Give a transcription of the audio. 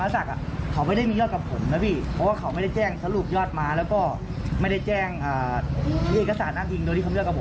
ะ่ะเขาไปได้มีรักกับผมนะพี่เพราะว่าเขา